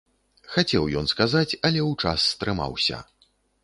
Хацеў ён сказаць, але ў час стрымаўся.